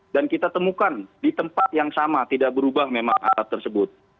dan kita temukan di tempat yang sama tidak berubah memang alat tersebut